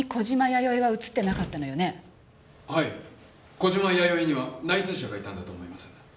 小島弥生には内通者がいたんだと思います。